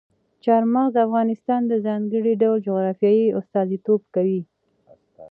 چار مغز د افغانستان د ځانګړي ډول جغرافیه استازیتوب کوي.